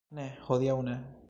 Ne, hodiaŭ ne